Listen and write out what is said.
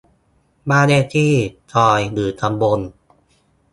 บ้านเลขที่ ซอย หรือตำบล